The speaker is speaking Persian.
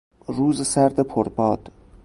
روز سرد پر باد